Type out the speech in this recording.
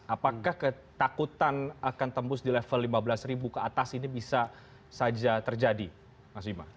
apakah ketakutan akan tembus di level lima belas ribu ke atas ini bisa saja terjadi mas bima